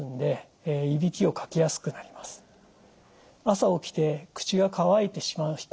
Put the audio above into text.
朝起きて口が乾いてしまう人